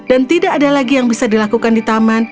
dan tidak ada lagi yang bisa dilakukan di taman